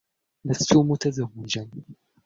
لست متزوجا.